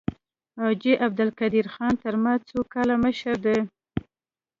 حاجي عبدالقدیر خان تر ما څو کاله مشر دی.